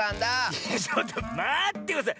いやちょっとまってください！